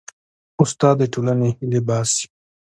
استاد د ټولنې هیلې باسي.